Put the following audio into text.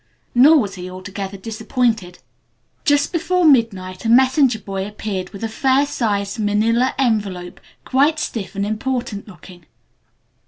Nor was he altogether disappointed. Just before midnight a messenger boy appeared with a fair sized manilla envelope, quite stiff and important looking.